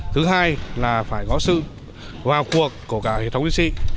thứ hai là phải có sự vào cuộc của cả hệ thống chính trị